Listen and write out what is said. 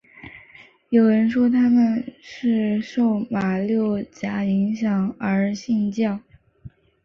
有人说他们是受马六甲影响而信教。